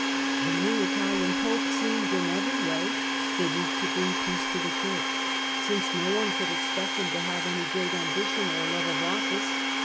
The new Italian Pope seemed in every way fitted to bring peace to the Church, since no one could expect him to have any great ambition or love of office.